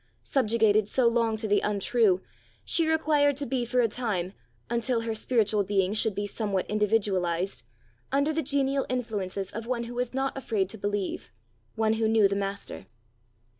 Subjugated so long to the untrue, she required to be for a time, until her spiritual being should be somewhat individualized, under the genial influences of one who was not afraid to believe, one who knew the master.